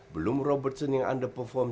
belum robertson yang underperform